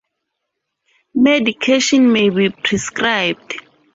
Medication may be prescribed.